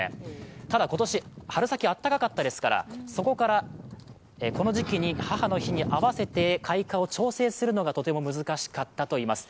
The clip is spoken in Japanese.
ただ今年、春先、暖かかったですから、そこからこの時期、母の日に合わせて開花を調整するのがとても難しかったといいます。